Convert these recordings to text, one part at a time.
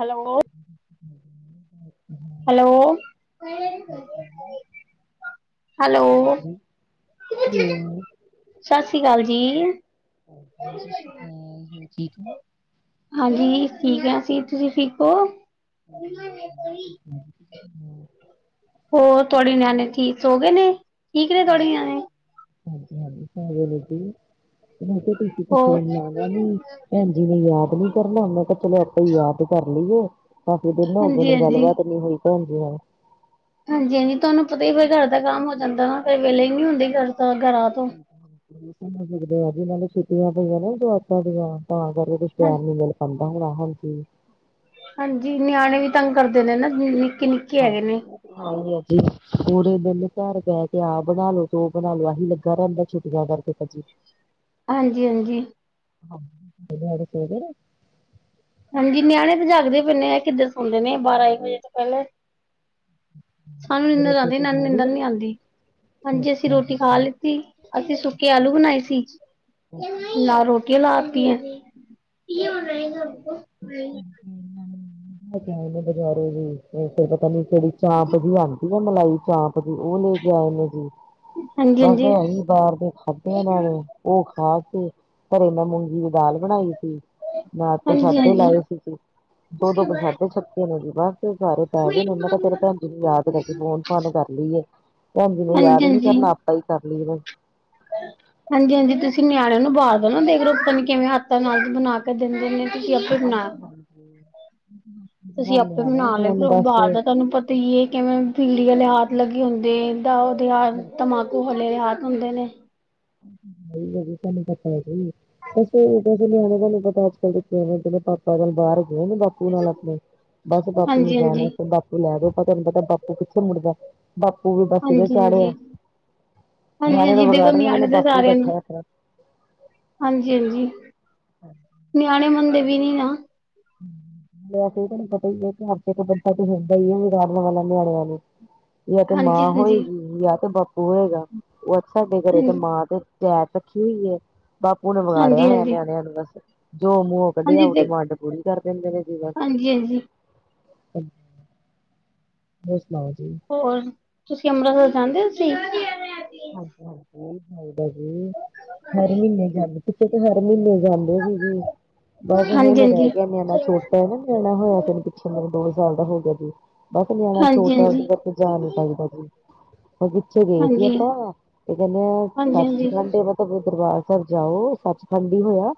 Hello. [unintelligible] Hello. Hello, ਹੂੰ। ਸਤਿ ਸ੍ਰੀ ਅਕਾਲ ਜੀ। ਠੀਕ, ਹਾਂਜੀ ਠੀਕ ਆ, ਅਸੀਂ ਤੁਸੀਂ ਠੀਕ ਹੋ? [unintelligible] ਹੋਰ ਤੁਹਾਡੇ ਨਿਆਣੇ ਠੀਕ ਹੋ ਗਏ ਨੇ, ਠੀਕ ਨੇ ਤੁਹਾਡੇ ਨਿਆਣੇ ਹਾਂਜੀ-ਹਾਂਜੀ [unintelligible] ਮੈਂ ਕਿਹਾ ਤੁਸੀ ਤੇ ਹੋਰ ਫੋਨ ਲਾ ਨੀ। ਭੈਣਜੀ ਨੇ ਯਾਦ ਨੀ ਕਰਨਾ ਉਹਨਾ ਕਿਹਾ ਚਲੋ, ਆਪਾਂ ਯਾਦ ਕਰ ਲਈਏ। ਕਫੀ ਦੇ ਨਾ ਹੋਗੇ, ਨੂੰ ਹਾਂਜੀ-ਹਾਂਜੀ। ਗੱਲਬਾਤ ਨੀ ਹੋਈ ਭੈਣ ਜੀ। ਹਾਂਜੀ-ਹਾਂਜੀ ਤੁਹਾਨੂੰ ਪਤਾ ਹੀ ਹਾਂ, ਫੇਰ ਘਰ ਦਾ ਕੰਮ ਹੋ ਜਾਂਦਾ ਨਾ, ਫੇਰ ਵੇਲੇ ਹੀ ਨਹੀਂ ਹੁੰਦੀ ਘਰ ਦਾ ਘਰਾਂ ਤੋਂ। ਸਕਦੇ ਆ, ਜਿਨਾਂ ਨੂੰ ਛੁੱਟੀਆਂ ਪਈਆਂ ਨਾ ਜਵਾਕਾਂ ਦੀਆਂ ਤਾਂ ਕਰਕੇ ਕੁਛ ਤਿਆਰ ਨੀ ਮਿਲਿਆ। ਸਭ ਨੂੰ ਹਾਂਜੀ। ਹਾਂਜੀ, ਨਿਆਣੇ ਵੀ ਤੰਗ ਕਰਦੇ ਨੇ ਨਾ ਨਿੱਕੀ ਨਿੱਕੀ। ਹਾਂਜੀ। ਹਾਂਜੀ-ਹਾਂਜੀ ਪੂਰੇ ਦਿਨ ਘਰ ਕਹਿ ਕੇ ਆਹ ਬਣਾਲੋ ਉਹ ਬਣਾਲੋ ਆਹੀ ਲੱਗਾ ਰਹਿੰਦਾ ਸੀ। ਵਿਆਹ ਕਰਕੇ ਭੱਜੀ। ਹਾਂਜੀ-ਹਾਂਜੀ। ਹਾਂਜੀ, ਲੁਧਿਆਣੇ। ਹਾਂਜੀ ਨਿਆਣੇ ਤੇ ਜਾਗਦੇ ਪੈਂਦੇ ਆ ਕਿੱਦਰ ਸੁਣਦੇ ਨੇ ਬਾਰਾਂ ਇੱਕ ਵਜੇ ਤੋਂ ਪਹਿਲੇ। ਹੂੰ। ਸਾਨੂੰ ਨਿੰਦਰ ਆਉਂਦੀ ਹੈ, ਇਹਨਾਂ ਨੂੰ ਨਿੰਦਰ ਨੀ ਆਉਂਦੀ। ਅੱਛਾ ਹਾਂਜੀ ਅਸੀਂ ਰੋਟੀ ਖਾ ਲਿੱਤੀ, ਅਸੀਂ ਸੁੱਕੇ ਆਲੂ ਬਣਾਏ ਸੀ। ਨਾਲ ਰੋਟੀਆਂ ਲਾ ਦਿੱਤੀਆਂ ਹੈ। ਹੂੰ ਆ ਬਜ਼ਾਰ ਵੀ ਪਤਾ ਨੀ, ਕਿਹੜੀ ਚਾਂਪ ਦੀ ਆਉਂਦੀ ਹੈ। ਜਿਵੇਂ ਮਲਾਈ ਚਾਂਪ। ਉਹ ਲੈ ਕੇ ਆਏ ਨੇ ਜੀ ਹਾਂਜੀ ਬਸ ਹਾਂਜੀ ਅਸੀਂ ਬਾਹਰ ਦੇ ਖਾਂਦਿਆਂ ਇਹਨਾਂ ਨੇ। ਉਹ ਖਾ ਕੇ ਘਰੇ ਮੈਂ ਮੂੰਗੀ ਦੀ ਦਾਲ ਬਣਾਈ ਸੀ ਨਾਲ। ਹਾਂਜੀ ਹਾਂਜੀ ਪ੍ਰਸ਼ਾਦੇ ਹਾਂਜੀ ਲਾਏ ਸੀ ਜੀ ਦੋ ਦੋ ਪ੍ਰਸ਼ਾਦੇ ਛਕ ਗਏ ਨੇ ਜੀ ਬਸ ਸਾਰੇ। ਮੈਂ ਕਿਹਾ, ਉਹਨਾ ਚਿਰ ਭੈਣ ਜੀ ਨੂੰ ਯਾਦ ਕਰ ਲਈਆ ਫੋਨ ਫਾਨ ਕਰ ਲਈਏ ਭੈਣ ਜੀ ਨੇ ਯਾਦ ਨੀ ਕਰਨਾ। ਅਸੀਂ ਪਰਲੀ ਜਗਾਂ 'ਚ। ਹਾਂਜੀ-ਹਾਂਜੀ ਤੁਸੀਂ ਨਿਆਣਿਆਂ ਨੂੰ ਬਹਾ ਦੋ ਨਾ ਦੇਖਲੋ, ਪਤਾ ਨਹੀਂ ਕਿਵੇਂ ਹੱਥਾਂ ਨਾਲ ਬਣਾ ਕੇ ਦਿੰਦੇ ਨੇ। ਅਸੀਂ ਆਪੇ ਬਣਾ। ਹਾਂਜੀ। ਹੂੰ। ਤੁਸੀਂ ਆਪੇ ਬਣਾ ਲਏ ਫਿਰ ਬਾਹਰ ਦਾ ਤੁਹਾਨੂੰ ਪਤਾ। ਤੋਂ ਜੇ ਕਿਵੇਂ ਬੀੜੀ ਵਾਲੇ ਹਾਥ ਲੱਗੇ ਹੁੰਦੇ, ਦਾ ਜਾ ਉਹਦੇ ਤੰਬਾਕੂ ਵਾਲੇ ਹਾਥ। ਹੁੰਦੇ ਨੇ। ਨਹੀਂ ਹੈਗੀ, ਸਾਨੂੰ ਤਾਂ ਪੈ ਗਈਏ। ਕੈੇ ਕੈਸੇ ਨਿਆਣੇ ਤੁਹਾਨੂੰ ਪਤਾ ਅੱਜ ਕੱਲ੍ਹ ਦੇ ਨਿਆਣੇ ਜਿਹੜੇ ਪਾਪਾ ਜਨ ਬਾਹਰ ਗਏ ਨੇ ਬਾਪ ਉਹ ਨਾਲ ਆਪਣੇ ਬਸ ਬਾਪੂ ਨੂੰ ਹਾਂਜੀ ਜਾਣ ਹਾਂਜੀ ਅਸਤੇ ਬਾਪੂ ਲੈ ਜਾਓ। ਤੁਹਾਨੂੰ ਪਤਾ ਬਾਪੂ ਕਿੱਥੇ ਮੁੜਦਾ ਬਾਪੂ ਵੀ ਬਾਪੂ ਦਾ ਹਾਂਜੀ ਹਾਂਜੀ ਚਾੜਿਆ ਹਾਂਜੀ ਨਿਆਣੇ ਹਾਂਜੀ ਨੂੰ ਦੇਖੋ ਵਿਗਾੜਨ ਵਾਲੇ ਨਿਆਣੇ ਬਾਪੂ ਬੈਠਾ ਏਹ ਪਰਾਂ ਹਾਂਜੀ-ਹਾਂਜੀ ਨਿਆਣੇ ਮੰਨਦੇ ਵੀ ਨੀ ਨਾ। ਹੂੰ। ਵੈਸੇ ਤੇ ਤੁਹਾਨੂੰ ਪਤਾ ਹੀ ਆ ਹਰ ਜਗਾ ਬੰਦਾ ਤੇ ਹੁੰਦਾ ਹੀ ਆ ਵਿਗਾੜਨ ਵਾਲਾ ਨਿਆਣਿਆਂ ਨੂੰ ਜਾਂ ਮਾਂ ਹਾਂਜੀ-ਹਾਂਜੀ, ਹੋਏਗੀ ਜਾਂ ਤੇ ਬਾਪੂ ਹੋਏਗਾ, ਉਹ ਤੇ ਸਾਡੇ ਘਰੇ ਤੇ ਹਾਂਜੀ, ਮਾਂ ਤੇ ਕੈਬ ਰੱਖੀ ਹੋਈ ਏ। ਬਾਪੂ ਨੇ ਹਾਂਜੀ-ਹਾਂਜੀ, ਵਿਗਾੜਿਆ ਹੋਇਆ ਹਾਂਜੀ ਹਾਂਜੀ ਨਿਆਣਿਆਂ ਨੂੰ ਬਸ ਜੋ ਮੂੰਹ ਹਾਂਜੀ ਕਢਿਆਉ ਦੇ ਡਿਮਾਂਡ ਪੂਰੀ ਕਰ ਦਿੰਦੇ ਨੇ ਜੇਵੈ। ਹਾਂਜੀ-ਹਾਂਜੀ, [unintelligible] ਹੋਰ ਸੁਣਾਓ ਜੀ? ਹੋਰ ਤੁਸੀਂ ਅੰਮ੍ਰਿਤਸਰ ਜਾਂਦੇ ਹੋ ਸੀ। ਹਾਂਜੀ-ਹਾਂਜੀ ਬਦਾ ਜੀ ਹਰ ਮੀਨੇ ਗੱਲ ਜਾਨੀ ਪਿਛੇ ਤਾਂ ਹਰ ਮਹੀਨੇ ਜਾਂਦੇ ਸੀ ਜ ਬਸ ਹੁਣ ਰਹਿ ਗਿਆ ਮੀਨਾ ਛੋਟਾ ਹੀ ਨਾ ਮਣਾ ਹੋਏਆ ਫਨ ਪਿੱਛੇ ਦੇਨ ਦੋ ਸਾਲ ਦਾ ਹੋ ਗੇਆ ਜੇ। ਬਸ ਨਿਆਣਾ ਛੋਟਾ ਹਾਂਜੀ-ਹਾਂਜੀ, ਇਸ ਕਰਕੇ ਜਾ ਨਹੀਂ ਪਾਈਦਾ, ਜੀ ਅਸੀਂ ਪਿੱਛੇ ਗਏ ਸੀ ਜੀ। ਹਾਂਜੀ। ਹਾਂਜੀ-ਹਾਂਜੀ, ਇਸਨੇ ਹਾਂਜੀ-ਹਾਂਜੀ, ਸੱਚਖੰਡ। ਮਤਲਬ ਦਰਬਾਰ ਸਾਹਿਬ ਜਾਓ, ਸੱਚਖੰਡ ਹੀ ਹੋਇਆ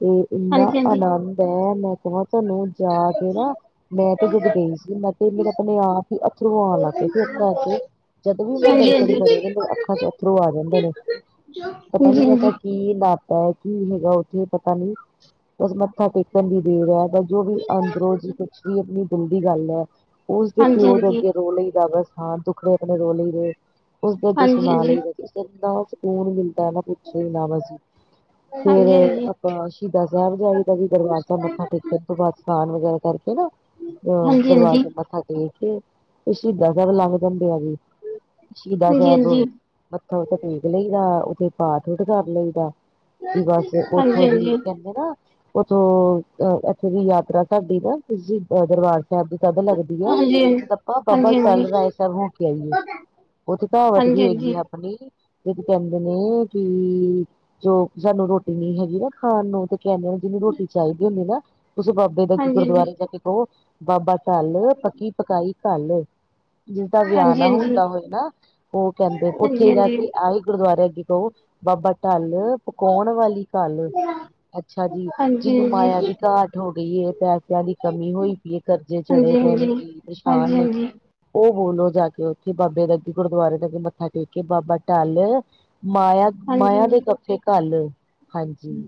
ਤੇ। ਇੰਨਾ ਹਾਂਜੀ-ਹਾਂਜੀ। ਆਨੰਦ ਹੈ, ਮੈਂ ਕਿਹਾ ਤੁਹਾਨੂੰ ਜਾ ਕੇ ਨਾ। ਮੈਂ ਤੇ ਜਦੋਂ ਗਈ ਸੀ, ਮੈਂ ਤੇ ਮੇਰਾ ਆਪਣੇ ਆਪ ਹੀ ਅੱਥਰੋਂ ਆਉਣ ਲੱਗ ਪਏ ਸੀ ਅੱਖਾਂ ਚੋਂ। ਜਦੋਂ ਵੀ ਉਹਨਾਂ ਦੇ ਦਰਸ਼ਨ ਹਾਂਜੀ-ਹਾਂਜੀ, ਹਾਂਜੀ-ਹਾਂਜੀ, ਕਰੇ, ਅੱਖਾਂ ਚੋਂ ਅੱਥਰੋਂ ਆ ਜਾਂਦੇ ਨੇ ਪਤਾ ਨੀ ਹਾਂਜੀ-ਹਾਂਜੀ। ਐਸਾ। ਕੀ ਬਾਤ ਹੈ, ਕੀ ਹੈਗਾ ਉੱਥੇ ਪਤਾ ਨੀ ਬਸ ਮੱਥਾ ਟੇਕਣ ਦੀ ਦੇਰ ਹੈ। ਜੋ ਵੀ ਅੰਦਰੋ ਜੀ ਕੁਛ ਵੀ ਆਪਣੀ ਦਿਲ ਦੀ ਗੱਲ ਐ, ਓਸਦੇ ਪਿਓ ਦੇ ਅੱਗੇ ਰੋ ਲਈਦਾ ਬਸ। ਹਾਂ ਦੁੱਖੜੇ ਆਪਣੇ ਰੋ ਲਈਦੇ, ਓਸਦੇ ਅਗੇ ਹਾਂਜੀ-ਹਾਂਜੀ, ਹਾਂਜੀ-ਹਾਂਜੀ, ਨਾ ਸਕੂਨ ਮਿਲਦਾ ਪੁੱਛੋ ਈ ਨਾ ਵਸੀ ਫੇਰ, ਆਪਾਂ ਸ਼ਹੀਦਾਂ ਸਾਹਿਬ ਜਾਈਦਾ ਜੀ ਦਰਬਾਰ ਸਾਬ ਮੱਥਾ ਟੇਕ ਫੇਰ ਦੋਬਾਰਾ ਸਾਨਨ ਵਗੈਰਾ ਕਰਕੇ ਨਾ, ਦਰਬਾਰ ਹਾਂਜੀ-ਹਾਂਜੀ। ਸਾਹਿਬ ਮੱਥਾ ਟੇਕ ਤੇ ਸ਼ਹੀਦ ਸਾਹਿਬ ਲੰਘ ਜਾਦੇ ਆ ਜੀ, ਸ਼ਹੀਦਾ ਸਾਹਿਬ ਮੱਥਾ ਟੇਕ ਲਈਦਾ ਓਦੇ ਪਾਪ ਵੀ ਕਰ ਲਈਦਾ। ਤੇ ਹਾਂਜੀ-ਹਾਂਜੀ, ਬਸ ਉਥੋਂ ਜੀ ਕਹਿੰਦੇ ਨਾ ਓਥੋਂ ਅ ਇੱਥੇ ਦੀ ਯਾਤਰਾ ਸਾਡੀ ਨਾ ਦਰਬਾਰ ਸਾਹਿਬ ਦੀ ਤਦ ਲੱਗਦੀ ਐ, ਜਦ ਆਪਾਂ ਬਾਬਾ ਟਲ ਹਾਂਜੀ-ਹਾਂਜੀ, ਰਾਏ ਸਾਹਿਬ ਹੋ ਕੇ ਆਈਏ। ਓਥੇ ਤਾ ਹਵਾ ਟੀਕੀ ਹੋਏ ਹਾਂਜੀ-ਹਾਂਜੀ। ਹਾਂਜੀ-ਹਾਂਜੀ, ਹਨੀ, ਇਹ ਤੇ ਕਹਿੰਦੇ ਨਾ ਕਿ ਜੋ ਸਾਨੂੰ ਰੋਟੀ ਨੀ ਹੈਗੀ ਨਾ ਖਾਣ ਨੂੰ ਤੇ ਕੈਦੇ ਜੇਨੂ ਰੋਟੀ ਚਾਈਦੀ ਹੁੰਦੀ ਨਾ, ਓਤ ਬਾਬਾ ਤੇ ਇਦਾਂ ਹੀ ਹਾਂਜੀ-ਹਾਂਜੀ। ਗੁਰਦੁਆਰੇ ਜਾ ਕੇ ਕੋ, ਬਾਬਾ ਟਲ, ਪੱਕੀ ਪਕਾਈ ਘੱਲ ਜਿਸ ਦਾ ਹਾਂਜੀ ਵਿਆਣਾ ਹਾਂਜੀ ਹੁੰਦਾ ਹੋਏ ਨਾ ਕੈਂਦੇ ਓਥੇ ਈ ਜਾ ਹਾਂਜੀ ਕੇ ਆਈ ਗੁਰਦੁਆਰੇ ਅੱਗੇ ਕਓ ਬਾਬਾ ਢਲ ਪਕਾਉਣ ਵਾਲੀ ਘਲ, ਅੱਛਾ ਜੀ ਹਾਂਜੀ ਜਿਹਨੂੰ ਮਾਇਆ ਦੀ ਘਾਟ ਹੋ ਗਈ ਏ, ਪੈਸਿਆਂ ਦੀ ਕਮੀ ਹੋਈ ਪਈ ਐ, ਕਰਜ਼ੇ ਚੜੇ ਪਏ ਨੇ ਜੀ ਪਰੇਸ਼ਾਨ ਨੇ ਹਾਂਜੀ-ਹਾਂਜੀ। ਉਹ ਬੋਲੋ ਜਾ ਕੇ ਉੱਥੇ ਬਾਬੇ ਦਾੀ ਗੁਰਦੁਆਰੇ ਅੱਗੇ ਮੱਥਾ ਮੱਥਾ ਟੇਕੇ ਬਾਬਾ ਢੱਲ, ਮਾਇਆ, ਹਾਂਜੀ ਹਾਂਜੀ ਮਾਇਆ ਦੇ ਗੱਫੇ ਘੱਲ। ਹਾਂਜੀ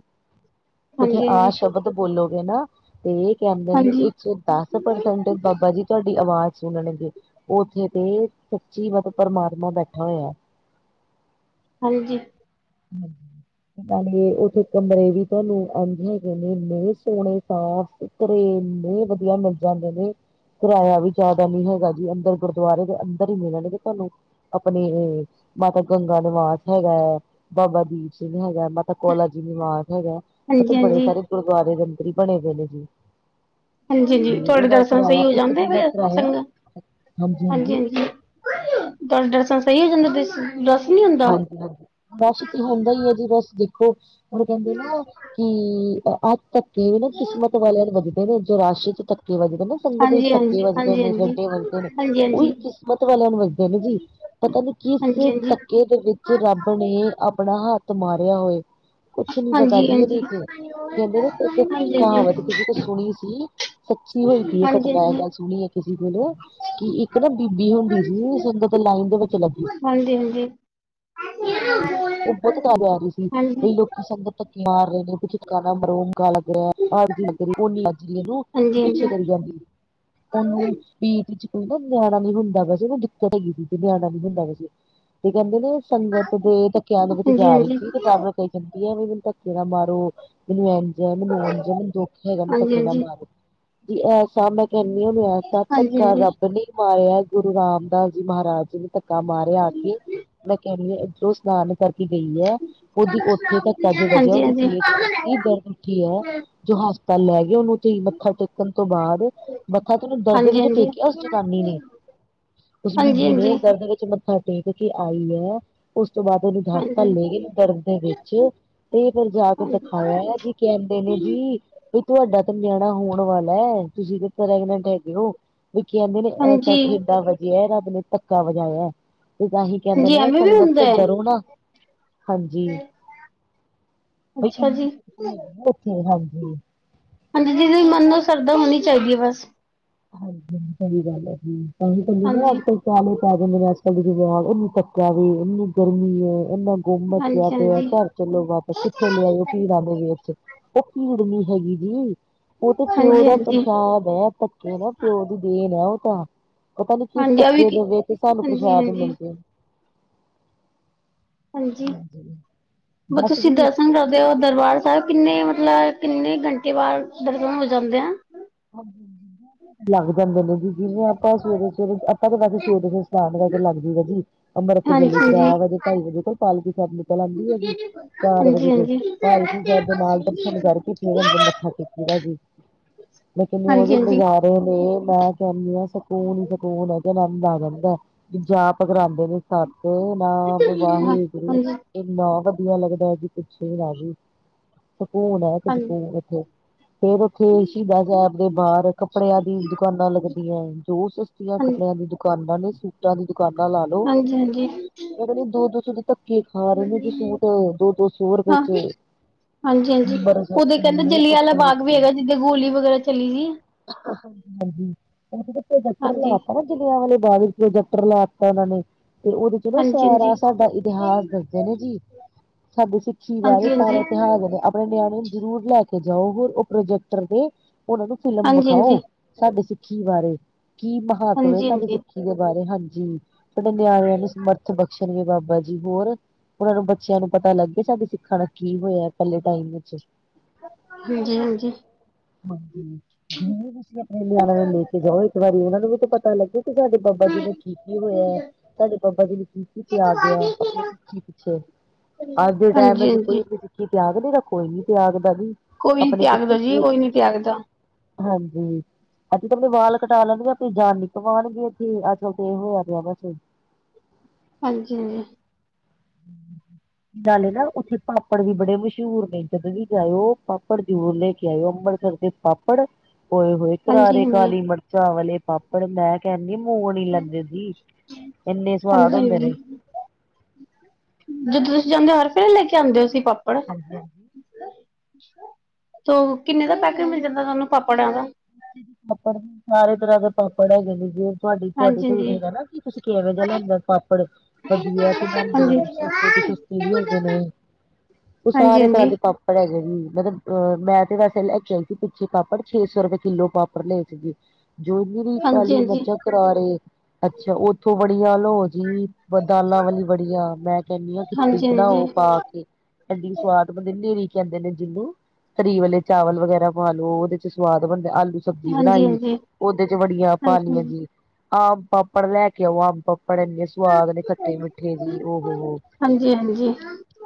ਉੱਥੇ ਆ ਹਾਂਜੀ ਸ਼ਬਦ ਬੋਲੋਗੇ ਨਾ, ਤੇ ਕੈਦੇ ਨੇ ਹਾਂਜੀ ਹਾਂਜੀ ਹਾਂਜੀ ਹਾਂਜੀ ਇੱਕਸੋ ਦਸ ਪਰਸੈਂਟ ਬਾਬਾ ਜੀ ਤੁਆਡੀ ਆਵਾਜ਼ ਸੁਣਨਗੇ, ਉੱਥੇ ਤੇ ਸੱਚੀ ਮਤਲਬ ਪਰਮਾਤਮਾ ਬੈਠਾ ਹੋਇਆ। ਹਾਂਜੀ। ਹੂੰ। ਨਾਲੇ ਓਥੇ ਕਮਰੇ ਵੀ ਤੁਆਨੂੰ ਇਝ ਹੈਗੇ ਨੇ ਏਨੇ ਸੋਨੇ ਸਾਫ ਪਰ ਏਨੇ ਵਧੀਆ ਮਿਲ ਜਾਂਦੇ ਨੇ ਕਿਰਾਇਆ ਵੀ ਜ਼ਿਆਦਾ ਨੀ ਹੈਗਾ ਜੀ, ਅੰਦਰ ਗੁਰਦੁਆਰੇ ਦੇ ਅੰਦਰ ਈ ਮਿਲਣਗੇ ਤਾਨੂੰ। ਅਪਣੀ ਏ ਮਾਤਾ ਗੰਗਾ ਨਿਵਾਸ ਹੈਗਾ ਬਾਬਾ ਦੀਪ ਸਿੰਘ ਹੈਗਾ, ਮਾਤਾ ਕੋਲ਼ਾ ਜੀ ਨਿਵਾਸ ਹੈਗਾ। ਉਹ ਤੇ ਹਾਂਜੀ ਬੜੇ ਹਾਂਜੀ ਸਾਰੇ ਗੁਰਦੁਆਰੇ ਦੇ ਅੰਦਰ ਈ ਬਣੇ ਦੇ ਨੇ ਜੀ। ਹਾਂਜੀ-ਹਾਂਜੀ, ਤੇ ਤੁਹਾਡੇ ਉਹਦਾ ਦਰਸ਼ਨ ਸ‌ਈ ਕਿਰਾਇਆ ਹੋ ਇੱਕ ਜਾਂਦੇ ਦਿਨ ਦਾ ਫੇਰ, ਸੰਗ ਕਿਰਾਇਆ ਹਾਂਜੀ ਹਾਂਜੀ ਹਾਂਜੀ-ਹਾਂਜੀ! ਦਸ [unintelligible] ਦਸ ਨੀ ਹੁੰਦਾ? ਹਾਂਜੀ-ਹਾਂਜੀ ਬਸ ਤੇ ਹੁੰਦਾ ਹੀ ਹੈ ਜੀ ਬਸ ਦੇਖੋ, [unintelligible] [unintelligible] ਵਾਲਿਆਂ ਦੇ ਵੱਜਦੇ ਨੇ ਜੋ ਰਾਸ਼ ਚ ਧੱਕੇ ਵੱਜਦੇ ਨਾ ਸੰਗਤ ਵਿੱਚ ਹਾਂਜੀ ਧੱਕੇ ਹਾਂਜੀ ਵੱਜਦੇ ਹਾਂਜੀ ਨੇ [unintelligible] ਹਾਂਜੀ ਵੱਜਦੇ ਨੇ। ਹਾਂਜੀ ਉਹੀ ਕਿਸਮਤ ਵਾਲਿਆਂ ਨੂੰ ਵਰਦੇ ਨੇ ਜੀ ਪਤਾ ਨੀ ਕਿਸ ਹਾਂਜੀ ਧੱਕੇ ਦੇ ਵਿੱਚ ਰੱਬ ਨੇ ਆਪਣਾ ਹੱਥ ਮਾਰਿਆ ਹੋਏ। ਕੁਛ ਨੀ ਪਤਾ ਹਾਂਜੀ ਦੀ ਇਹ ਹਾਂਜੀ ਦੇਖ, ਕਹਿੰਦੇ ਨੇ ਇੱਕ ਹਾਂਜੀ ਹਾਂਜੀ ਕਹਾਵਤ ਕਿਸੇ ਕੋ ਸੁਣੀ। ਸੱਚੀ ਹੋਈ ਪਈ ਹੈ, ਹਾਂਜੀ ਘਟਨਾ ਇਹ ਗੱਲ ਸੁਣੀ ਹੈ ਕਿਸੇ ਕੋਲ ਕਿ ਇੱਕ ਨਾ ਬੀਬੀ ਹੁੰਦੀ ਸੀ, ਸੁੰਦਰਤ ਲਾਈਨ ਦੇ ਵਿੱਚ ਲੱਗੀ। ਹਾਂਜੀ-ਹਾਂਜੀ। ਉਹ ਬਹੁਤ ਕਾਬ ਆ ਰਹੀ ਸੀ। ਬਈ ਹਾਂਜੀ ਲੋਕੀ ਸੰਗਤ ਧੱਕੀ ਮਾਰ ਰਹੇ ਨੇ, ਬੀ ਧਕਾ ਨਾ ਮਾਰੋ। ਕਾ ਲੱਗ ਰਿਹਾ, ਆੜ੍ਹ ਜੀ ਲੱਗ ਰਹੀ, ਕੂਹਣੀ ਵੱਜ ਰਹੀ ਓਹਨੂੰ ਤੇ ਹਾਂਜੀ ਹਾਂਜੀ ਹਾਂਜੀ ਪਿੱਛੇ ਕਰੀ ਜਾਂਦੀ। ਉਹਨੂੰ ਸੀਟ ਚ ਕੋ ਨਾ ਨਿਆਣਾ ਨੀ ਹੁੰਦਾ, ਵੈਸੇ ਉਹਨੂੰ ਦਿੱਕਤ ਹੈਗੀ ਸੀ ਤੇ ਨਿਆਣਾ ਨ ਹੁੰਦਾ ਵੈਸੇ ਤੇ ਕਹਿੰਦੇ ਨੇ ਸ ਦੇ ਧੱਕਿਆਂ ਦੇ ਵਿੱਚ ਹਾਂਜੀ ਜਾ ਰਹੀ ਹਾਂਜੀ ਸੀ, ਤੇ ਹਾਂਜੀ ਵਾਰ-ਵਾਰ ਕਹੀ ਜਾਂਦੀ ਆ ਵੀ ਮੈਨੂੰ ਧੱਕੇ ਦਾ ਮਾਰੋ ਮੈਨੂੰ ਜਿ ਮੈਨੂੰ ਰੋਣ ਮੈਨੂੰ ਦੁੱਖ ਹੈਗਾ, ਮੈਨੂੰ ਹਾਂਜੀ ਧੱਕੇ ਨਾ ਹਾਂਜੀ ਮਾਰੋ ਜੇ ਐਸਾ ਮੈਂ ਕਹਿੰਦੀ ਹੋ, ਐ ਐਸਾ ਹਾਂਜੀ ਧੱਕਾ ਰੱਬ ਨੇ ਮਾਰਿਆ ਗੁਰੂ ਰਾਮਦਾਸ ਜੀ ਮਹਾਰਾਜੀ ਨੇ। ਧੱਕਾ ਮਾਰਿਆ ਆ ਕੇ ਮੈਂ ਕਹਿਣੀ ਇੱਧਰੋਂ ਸਨਾਨ ਕਰਕੇ ਗਈ ਹੈ, ਉਹਦੀ ਉੱਥੇ ਧੱਕਾ ਜੋ ਵਜਿਆ ਹਾਂਜੀ ਹਾਂਜੀ ਉਹਦੀ ਹਾਂਜੀ ਹਾਂਜੀ ਪੇਟ ਐਸੀ ਦਰਦ ਉਠੀ ਹੈ, ਜੋ ਹਸਪਤਾਲ ਲੈ ਗਏ ਉਹਨੂੰ [unintelligible] ਟੇਕਣ ਤੋਂ ਬਾਅਦ ਮੱਥਾ ਕਿੰਨੀ ਦਰਦ ਵਿੱਚ ਹਾਂਜੀ ਟੇਕਿਆ ਉਸ ਜਤਾਨੀ ਨੇ। ਉਸ ਹਾਂਜੀ ਹਾਂਜੀ ਬੀਬੀ ਨੇ ਦਰਦ ਵਿੱਚ ਮੱਥਾ ਟੇਕ ਕੇ ਆਈ ਹੈ। ਉਸ ਤੋਂ ਬਾਅਦ ਉਹਨੂੰ ਘਰ ਤਾਂ ਹਾਂਜੀ ਲੈ ਗੇ ਦਰਦ ਦੇ ਵਿੱਚ, ਤੇ ਫਿਰ ਜਾ ਕੇ ਹਾਂਜੀ ਦਿਖਾਇਆ ਜੀ ਕਹਿੰਦੇ ਨੇ ਜੀ ਬਈ ਤੁਹਾਡਾ ਤਾਂ ਨਿਆਣਾ ਹੋਣ ਵਾਲਾ ਹੈ ਤੁਸੀਂ ਤੇ ਪ੍ਰੈਗਨੈਂਟ ਹੈਗੇ ਹੋ। ਵੀ ਕਹਿੰਦੇ ਨੇ ਐਸਾ ਹਾਂਜੀ ਠੇਡਾ ਵਜਿਆ ਰੱਬ ਨੇ ਧੱਕਾ ਵਜਾਯਾ। ਤੇ ਤਾਂਹੀ ਕਹਿੰਦੇ ਹਾਂਜੀ ਨੇ ਐਵੇਂ ਵੀ ਸੰਗਤ ਹੁੰਦਾ ਤੋਂ ਹੈ ਡਰੋ ਨਾ, ਹਾਂਜੀ ਅੱਛਾ ਜੀ [unintelligible] ਹਾਂਜੀ। ਹਾਂਜੀ ਜਿਦੇ ਵੀ ਮਨ ਨੂੰ ਸ਼ਰਧਾ ਹੋਣੀ ਚਾਹੀਦੀ ਏ ਬਸ। ਹਾਂਜੀ ਹਾਂ ਸਹੀ ਗੱਲ ਹਾਂਜੀ [unintelligible] [unintelligible] ਗੁੰਮ ਮੱਚਿਆ ਹਾਂਜੀ ਪਯਾ ਹਾਂਜੀ ਘਾਰ। ਚੱਲੋ ਵਾਪਸ ਕਿੱਥੇ ਲਿਆਏ ਔ ਭੀੜਾਂ ਦੇ ਵਿੱਚ ਉਹ ਭੀੜ ਨੀ ਹੈਗੀ ਜੀ। ਉਹ ਤੇ ਪਿਓ ਹਾਂਜੀ ਦਾ ਹਾਂਜੀ ਪ੍ਰਸ਼ਾਦ ਹੈ ਧੱਕੇ ਨਾ ਪਿਓ ਦੀ ਦੇਣ ਹੈ ਉਹ ਤਾਂ। ਪਤਾ ਨੀ ਕਿਸ ਹਾਂਜੀ ਆ ਵੀ ਧੱਕੇ ਦੇ ਵਿਚ ਤੁਵਾਨੁ ਹਾਂਜੀ ਪ੍ਰਸ਼ਾਦ ਹਾਂਜੀ ਮਿਲਜੇ। [unintelligible] ਔ ਹਾਂਜੀ ਬਸ ਜੀ ਦਰਬਾਰ ਸਾਹਿਬ ਕਿੰਨੇ ਮਤਲਬ ਕਿੰਨੇ ਘੰਟੇ ਬਾਦ ਦਰਸ਼ਨ ਹੋ ਜਾਂਦੇ ਆ? [inaudible] ਲੱਗ ਜਾਂਦੇ ਨੇ ਜੀ ਜਿਵੇਂ ਆਪਾਂ ਸਵੇਰੇ ਸਵੇਰੇ ਆਪਾਂ ਤਾਂ ਵੈਸੇ ਸਵੇਰੇ ਸਨਾਨ ਕਾਰ ਕੇ ਲਾਗ ਜੀ ਦਾ ਜੀ। ਅੰਮ੍ਰਿਤ ਹਾਂਜੀ ਵੇਲੇ ਤਰੈ ਵਜੇ ਢਾਈ ਹਾਂਜੀ ਵਜੇ ਕੋਲ ਪਾਲਕੀ ਸਾਹਿਬ [unintelligible] ਆਂਦੀ ਆ ਜੀ ਚਾਰ ਵਜੇ ਹਾਂਜੀ ਕੋਲ ਹਾਂਜੀ ਹਾਂਜੀ ਪਾਲਕੀ ਸਾਹਿਬ ਦੇ ਨਾਲ ਦਰਸ਼ਨ ਕਰਕੇ ਫੇਰ ਮੱਥਾ ਟੇਕ ਦਾ ਜੀ। ਲੇਕਿਨ ਉਹਦੇ ਹਾਂਜੀ ਨਜ਼ਾਰੇ ਨੇ ਮੈਂ ਕਹਿੰਨੀ ਹਾਂ ਸਕੂਨ ਈ ਸਕੂਨ। ਆਨੰਦ ਆ ਜਾਂਦਾ ਜਾਪ ਕਰਾਂਦੇ ਨੇ ਸਤ ਨਾਮ ਹਾਂ ਵਾਹਿਗੁਰੂ। ਹਾਂਜੀ ਇੰਨਾ ਵਧੀਆ ਲੱਗਦਾ ਕੀ ਪੁੱਛੇ ਨਾਜੀ ਸਕੂਨ ਹੈ ਇੱਕ ਹਾਂਜੀ ਹਾਂਜੀ ਸਕੂਨ ਇਥੇ। ਫੇਰ ਉੱਥੇ ਸ਼ਹੀਦਾਂ ਸਾਹਿਬ ਦੇ ਬਾਹਰ ਕੱਪੜਿਆਂ ਦੀ ਦੁਕਾਨਾਂ ਲੱਗਦੀਆਂ ਹੈ ਜੋ ਸਸਤੀਆਂ ਹਾਂਜੀ ਕੱਪੜਿਆਂ ਦੀ ਦੁਕਾਨਾਂ ਨੇ ਸੂਟਾਂ ਦੀ ਦੁਕਾਨਾਂ ਲਾ ਲੋ, ਹਾਂਜੀ-ਹਾਂਜੀ। ਮੈਂ ਕਹਣੀ ਆਂ ਦੋ ਦੋ ਸੋ ਦੇ ਧੱਕੇ ਖਾ ਰਹੇ ਨੇ ਸੂਟ ਦੋ ਦੋ ਸੋ ਰੂਪੇ ਹਾਂ ਚ। ਹਾਂਜੀ ਹਾਂਜੀ ਅੰਬਰਸਰ ਉਥੇ ਕਹਿੰਦੇ ਇੰਨੇ ਜਲੀਆਂ ਕੱਪੜੇ ਬਾਗ ਵੀ ਹੈਗਾ ਜਿੱਦਾਂ ਗੋਲੀ ਵਗੈਰਾ ਚਲੀ ਸੀ। [unintelligible] ਹਾਂਜੀ ਜਲੀਆਂ ਵਾਲੇ ਬਾਗ ਵਿੱਚ ਪ੍ਰੋਜੈਕਟਰ ਲਾ ਦਿੱਤਾ ਉਹਨਾਂ ਨੇ। ਤੇ ਓਹਦੇ ਚ ਨਾ ਹਾਂਜੀ ਸਾਰਾ ਹਾਂਜੀ ਤੁਵਾਡਾ ਇਤਿਹਾਸ ਦੱਸਦੇ ਨੇ ਜੀ। ਸਾਡੇ ਸਿੱਖੀ ਬਾਰੇ ਹਾਂਜੀ ਹਾਂਜੀ ਸਾਰੇ ਤਿਉਹਾਰਾਂ ਆਪਣੇ ਨਿਆਣੇ ਨੂੰ ਜ਼ਰੂਰ ਲੈ ਕੇ ਜਾਓ ਹੋਰ ਉਹ ਪ੍ਰੋਜੈਕਟਰ ਤੇ ਉਹਨਾਂ ਨੂੰ ਫ਼ਿਲਮ ਹਾਂਜੀ ਵਿਖਾਓ ਸਾਡੇ ਸਿੱਖੀ ਬਾਰੇ ਕੀ ਮਹੱਤਵ ਹੈ ਹਾਂਜੀ ਹਾਂਜੀ ਸਾਡੀ ਹਾਂਜੀ ਹਾਂਜੀ ਸਿੱਖੀ ਦੇ ਬਾਰੇ ਹਾਂਜੀ ਸਾਡੇ ਨਿਆਣਿਆਂ ਨੂੰ ਸਮਰਥ ਬਖਸ਼ਣਗੇ ਬਾਬਾ ਜੀ ਹੋਰ ਉਹਨਾਂ ਨੂੰ ਬੱਚਿਆਂ ਨੂੰ ਪਤਾ ਲੱਗਗੇਏ ਸਾਡੇ ਸਿੱਖਣਾ ਕੀ ਹੋਇਆ ਪਹਿਲੇ ਟਾਈਮ ਵਿੱਚ ਹਾਂਜੀ-ਹਾਂਜੀ। ਹਾਂਜੀ ਜਿਵੇਂ ਤੁਸੀਂ ਆਪਣੇ ਨਿਆਣਾ ਨੂੰ ਲੈ ਕੇ ਜਾਓ ਇੱਕ ਵਾਰੀ ਉਹਨਾਂ ਨੂੰ ਵੀ ਤਾਂ ਪਤਾ ਲੱਗੇ, ਤੁਵਾਡੇ ਬਾਬਾ ਜੀ ਨੂੰ ਕਿ ਕੀ ਹੋਯਾ ਤੁਵਾਡੇ ਬਾਬਾ ਜੀ ਨੇ ਕੀ ਕੀ ਤਿਆਗਯਾ? ਸਿੱਖੀ ਪਿੱਛੇ ਅੱਜ ਦੇ ਟੈਮ ਚ ਹਾਂਜੀ ਕੋਈ ਸਿੱਖੀ ਤਿਆਗ ਦੇਗਾ ਕੋਈ ਨੀ ਤਿਆਗਦਾ ਜੀ। ਕੋਈ ਨ ਆਪਣੇ ਕਿੱਥੇ ਤਿਆਗਦਾ ਜੀ ਕੀ ਕੋਈ ਨੀ ਤਿਆਗਦਾ। ਹਾਂਜੀ। ਅੱਜ ਕਾਲ ਦੇ ਵਾਲ ਕਟਾ ਲੈਣਗੇ ਆਪਣੀ ਜਾਣ ਨੀ ਗਵਾਨ ਗੇ ਜੀ, ਅੱਜ ਕਾਲ ਤੇ ਐਹ ਹੋ ਗਯਾ ਵੈਸੇ। ਹਾਂਜੀ ਹਾਂਜੀ। [inaudible] ਨਾਲੇ ਨਾ ਉੱਥੇ ਪਾਪੜ ਵੀ ਬੜੇ ਮਸ਼ਹੂਰ ਨੇ ਜਦੋਂ ਵੀ ਜਾਇਓ ਪਾਪੜ ਜ਼ਰੂਰ ਲੈ ਕੇ ਆਇਓ ਅੰਬਰਸਰ ਦੇ। ਪਾਪੜ ਓਏ ਹੋਏ ਹਾਂਜੀ ਕਰਾਰੇ ਹਾਂਜੀ ਕਾਲੀ ਮਿਰਚਾਂ ਵਾਲੇ ਪਾਪੜ। ਆਪ ਮੈਂ ਕਹਿਣਦੀ ਮੂੰਗ ਨੀ ਲੈਂਦੇ ਸੀ ਇੰਨੇ ਸਵਾਦ ਹਾਂਜੀ ਹੁੰਦੇ ਹਾਂਜੀ ਨੇ ਜਦੋਂ ਤੁਸੀਂ ਜਾਂਦੇ ਹੋ ਹੋਰ ਫਿਰ ਲੈ ਕੇ ਆਉਂਦੇ ਹੋ ਸੀ ਪਾਪਾ ਹਾਂਜੀ -। ਹਾਂਜੀ ਤੋਂ ਕਿੰਨੇ ਦਾ ਪੈਕੇਜ ਮਿਲ ਜਾਂਦਾ ਤੁਹਾਨੂੰ ਪਾਪੜਿਆਂ ਦਾ ਪਾਪੜ, ਸਾਰੇ ਤਰ੍ਹਾਂ ਦੇ ਪਾਪੜ ਹੈਗੇ ਨੇ ਜੀ ਤੁਹਾਡੀ ਤੁਹਾਡੇ ਹਾਂਜੀ ਕੋਲ ਹੈਗਾ ਨਾ ਕੀ ਤੁਸੀਂ ਕਿਵੇਂ ਜਿਹਾ ਲੈਂਦੇ ਪਾਪੜ ਵਧੀਆ ਤੇ ਹਾਂਜੀ ਹਾਂਜੀ ਲਿਆਂਦੇ ਸਸਤੇ ਤ ਸਸਤੇ ਵੀ ਹੈਗੇ ਨੇ ਉਹ ਸਾਰੇ ਹਾਂਜੀ ਤਰ੍ਹਾਂ ਹਾਂਜੀ ਦੇ ਪਾਪ- ਪਾਪੜ ਹੈਗੇ ਵੀ ਮਤਲਬ ਅਹ ਮੈਂ ਤੇ ਵੈਸੇ ਲੈ ਕੇ ਆਈ ਸੀ ਪਿੱਛੇ ਪਾਪੜ ਛੇ ਸੌ ਰੁਪਏ ਕਿੱਲੋ ਪਾਪੜ ਲਏ ਸੀਗੇ ਜੋ ਇਹਨੀ ਵੀ ਕਾਲੀ ਹਾਂਜੀ ਮਿਰਚਾਂ ਕਰਾਰੇ ਅੱਛਾ ਉੱਥੋਂ ਬੜੀਆਂ ਲੋ ਜੀ ਦਾਲਾਂ ਵਾਲੀ ਬੜੀਆਂ ਮੈਂ ਕਹਿੰਦੀ ਹਾਂ ਖਿਚੜੀ ਹਾਂਜੀ ਹਾਂਜੀ ਬਣਾਓ ਪਾ ਕੇ ਏਡੀ ਸਵਾਦ ਬਣਦੀ ਕਹਿੰਦੇ ਨੇ ਜਿਹਨੂੰ ਤਰੀ ਵਾਲੇ ਚਾਵਲ ਵਗੈਰਾ ਪਾ ਲੋ ਉਹਦੇ ਚ ਸਵਾਦ ਬੰਦੇ ਆਲੂ ਸਬਜ਼ੀ ਬਣਾਈ ਹਾਂਜੀ ਹਾਂਜੀ ਉਹਦੇ ਚ ਬੜੀਆਂ ਪਾਲੀਆਂ ਹਾਂਜੀ ਜੀ ਆਮ ਪਾਪੜ ਲੈ ਕੇ ਆਓ ਆਮ ਪਾੱਪੜ ਇੰਨੇ ਸਵਾਦ ਨੇ ਖੱਟੇ ਮਿੱਠੇ ਜੀ ਉਹ ਉਹ ਹਾਂਜੀ ਹਾਂਜੀ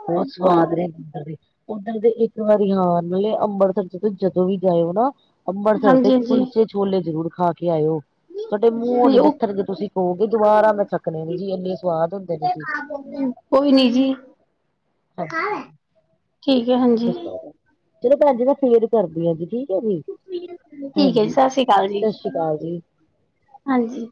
ਬਹੁਤ ਸਵਾਦ ਨੇ ਬਣਦੇ ਉੱਧਰ ਦੇ ਇੱਕ ਵਾਰੀ ਹਾਂ ਅੰਮ੍ਰਿਤਸਰ ਚਸੀ ਜਦੋਂ ਵੀ ਜਾਇਓ ਨਾ ਅੰਮਬਰਸਰ ਦੇ ਹਾਂਜੀ ਹਾਂਜੀ ਕੁਲਚੇ ਛੋਲੇ ਜ਼ਰੂਰ ਖਾ ਕੇ ਆਇਓ ਤੁਹਾਡੇ ਮੂੰਹ ਨੀ ਹਾਂਜੀ ਉਹ ਲੱਥਣਗੇੇ ਤੁਸੀਂ ਕਹੋਗੇ ਦੁਬਾਰਾ ਮੈਂ ਚਕਣੇ ਨੇ ਜੀ ਇੰਨੇ ਸਵਾਦ ਹੁੰਦੇ ਨੇ ਜੀ ਕੋਈ ਨੀ ਜੀ, ਹਾਂਜੀ ਠੀਕ ਹੈ ਹਾਂਜੀ ਚਲੋ ਭੈਣਜੀ ਮੈਂ ਫਿਰ ਕਰਦੀ ਹਾਂ ਜੀ ਠੀਕ ਹੈ ਜੀ ਠੀਕ ਹੈ ਜੀ ਹਾਂਜੀ, ਸ੍ਰੀ ਅਕਾਲ ਜੀ ਸਤਿ ਸ਼੍ਰੀ ਅਕਾਲ ਜੀ। ਹਾਂਜੀ